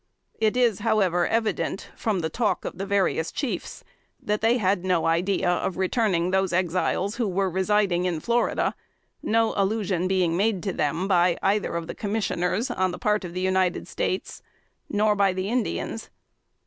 It is however evident, from the talk of the various Chiefs, that they had no idea of returning those Exiles who were residing in Florida no allusion being made to them by either of the Commissioners, on the part of the United States, nor by the Indians.